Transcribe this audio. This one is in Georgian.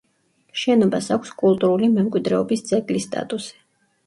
შენობას აქვს კულტურული მემკვიდრეობის ძეგლის სტატუსი.